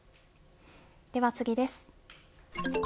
では次です。